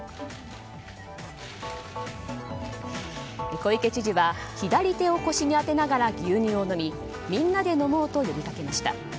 小池知事は左手を腰に当てながら牛乳を飲みみんなで飲もうと呼びかけました。